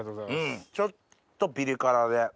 ちょっとピリ辛で。